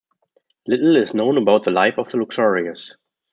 Little is known about the life of Luxorius.